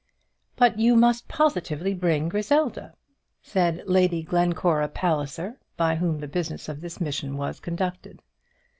"But you must positively bring Griselda," said Lady Glencora Palliser, by whom the business of this mission was conducted.